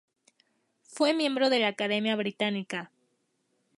Fue miembro de la Academia Británica.